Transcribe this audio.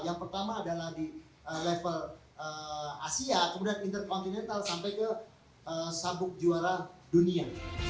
yang pertama adalah di level asia kemudian intercontinental sampai ke sabuk juara dunia